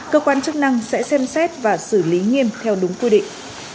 cơ quan chức năng sẽ xem xét và xử lý nghiêm theo đúng quy định